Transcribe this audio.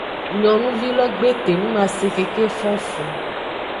Nyonuvi lo gbe etonumase keke fon efu.